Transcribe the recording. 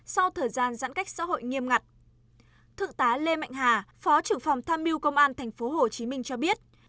sau thời gian giãn cách xã hội nghiêm ngặt thượng tá lê mạnh hà phó trưởng phòng tham mưu công an tp hcm cho biết